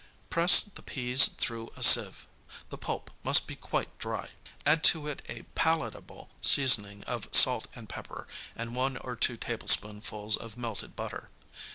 Press the peas through a sieve; the pulp must be quite dry; add to it a palatable seasoning of salt and pepper and one or two tablespoonfuls of melted butter.